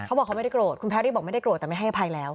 เขาบอกเขาไม่ได้โกรธคุณแพรรี่บอกไม่ได้โกรธแต่ไม่ให้อภัยแล้ว